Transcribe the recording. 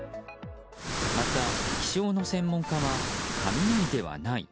また、気象の専門家は雷ではない。